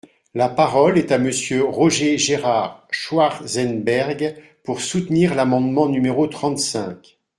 La parole est à Monsieur Roger-Gérard Schwartzenberg, pour soutenir l’amendement numéro trente-cinq.